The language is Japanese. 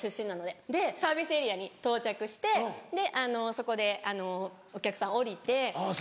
でサービスエリアに到着してそこでお客さん降りて。